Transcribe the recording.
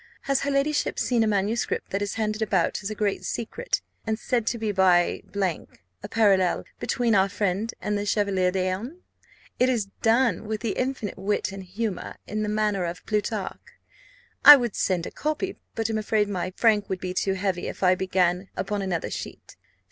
Has her ladyship seen a manuscript that is handed about as a great secret, and said to be by , a parallel between our friend and the Chevalier d'Eon? It is done with infinite wit and humour, in the manner of Plutarch. I would send a copy, but am afraid my frank would be too heavy if I began upon another sheet.